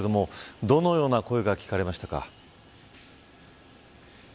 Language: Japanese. どのような声が聞かれましたか。